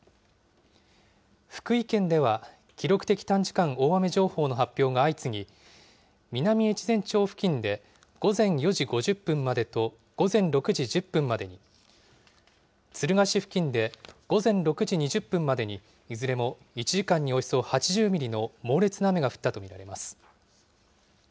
福井県では、記録的短時間大雨情報の発表が相次ぎ、南越前町付近で、午前４時５０分までと、午前６時１０分までに、敦賀市付近で午前６時２０分までに、いずれも１時間におよそ８０ミリの猛烈な雨が降ったと見られます。